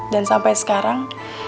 dan sampai sekarang